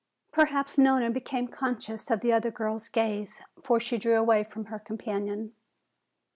Perhaps Nona became conscious of the other girl's gaze, for she drew away from her companion.